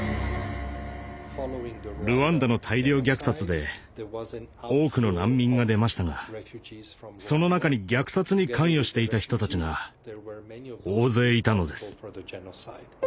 ルワンダの大量虐殺で多くの難民が出ましたがその中に虐殺に関与していた人たちが大勢いたのです。